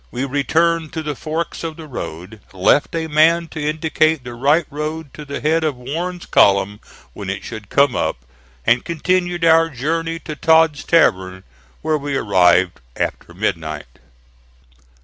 We returned to the forks of the road, left a man to indicate the right road to the head of Warren's column when it should come up, and continued our journey to Todd's Tavern, where we arrived after midnight.